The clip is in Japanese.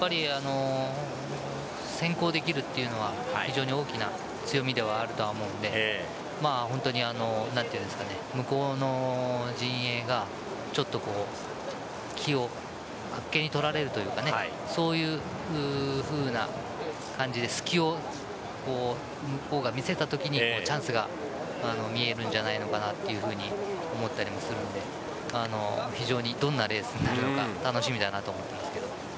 先行できるというのは非常に大きな強みではあると思うので向こうの陣営があっけに取られるというかそういう感じで、隙を向こうが見せたときにチャンスが見えるんじゃないのかなと思ったりもするので非常にどんなレースになるのか楽しみだなと思います。